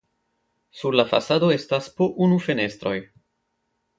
Sur la fasado estas po unu fenestroj.